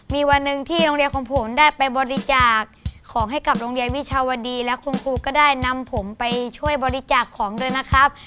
มีวันหนึ่งที่โรงเรียนของผมได้ไปบริจาคของให้กับโรงเรียนวิชาวดีและคุณครูก็ได้นำผมไปช่วยบริจาคของด้วยนะครับ